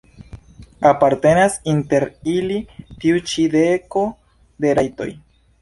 Apartenas inter ili tiu ĉi deko de rajtoj.